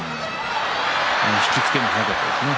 引き付けも速かったですね。